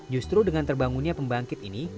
justru dengan terbangunnya pembangkit ini